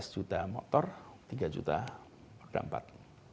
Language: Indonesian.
empat belas juta motor tiga juta per dampak